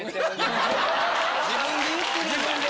・自分で言ってるんや・自分で。